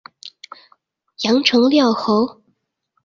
阳城缪侯。